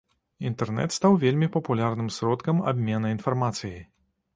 Інтэрнэт стаў вельмі папулярным сродкам абмена інфармацыяй.